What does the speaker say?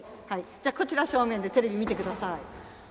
じゃあこちら正面でテレビ見てください。